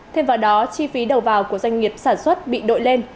thêm vào đó chi phí đầu vào của doanh nghiệp sản xuất bị đội lên